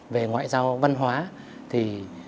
về ngoại giao văn hóa thì